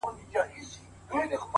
او ستا پر قبر به ـ